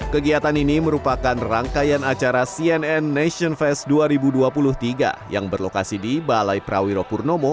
kegiatan ini merupakan rangkaian acara cnn nation fest dua ribu dua puluh tiga yang berlokasi di balai prawiro purnomo